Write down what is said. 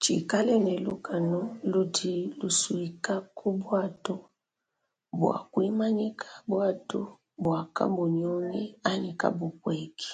Tshikale ne lukanu ludi lusuika ku buatu bua kuimanyika buatu bua kabunyunyi anyi kabupueki.